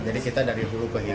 jadi kita dari dulu